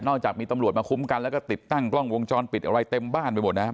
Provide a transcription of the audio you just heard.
จากมีตำรวจมาคุ้มกันแล้วก็ติดตั้งกล้องวงจรปิดอะไรเต็มบ้านไปหมดนะครับ